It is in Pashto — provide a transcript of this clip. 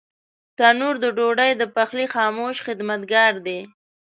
تنور د ډوډۍ د پخلي خاموش خدمتګار دی